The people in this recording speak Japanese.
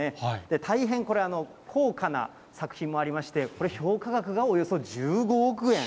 大変、これ、高価な作品もありまして、これ、評価額がおよそ１５億円。